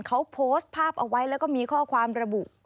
เขาโพสต์ภาพเอาไว้แล้วก็มีข้อความระบุ